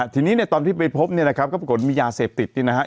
ทีนี้ตอนที่ไปพบปรากฎมียาเศษ็บติดครับ